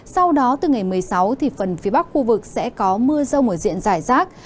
sau đó từ ngày một mươi sáu thì phần phía bắc khu vực sẽ có mưa rông ở diện giải rác